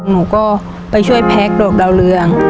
หนูก็ไปช่วยแพ็คดอกดาวเรือง